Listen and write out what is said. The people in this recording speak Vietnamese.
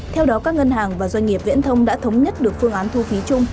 theo đó các ngân hàng và doanh nghiệp viễn thông đã thống nhất được phương án thu phí chung